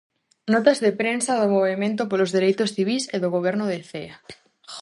Notas de prensa do movemento polos dereitos civís e do goberno de Cee.